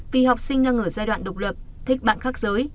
vì học sinh đang ở giai đoạn độc lập thích bạn khác giới